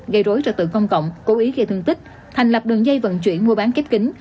gây rối trật tự công cộng cố ý gây thương tích thành lập đường dây vận chuyển mua bán kép kính